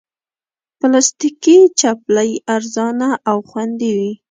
پلاستيکي چپلی ارزانه او خوندې وي.